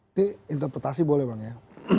ini interpretasi boleh bang ya